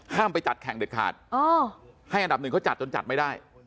ไปจัดแข่งเด็ดขาดให้อันดับหนึ่งเขาจัดจนจัดไม่ได้